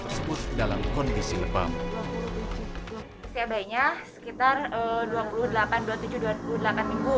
kesehatan bayinya sekitar dua puluh delapan dua puluh tujuh dua puluh delapan minggu